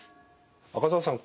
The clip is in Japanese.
赤澤さん